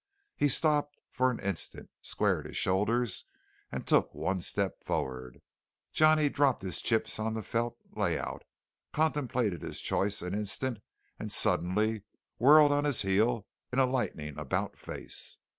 He stopped for an instant, squared his shoulders, and took one step forward. Johnny dropped his chips on the felt layout, contemplated his choice an instant and suddenly whirled on his heel in a lightning about face.